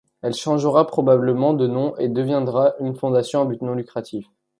Elle changera probablement de nom et deviendra une fondation à but non lucratif.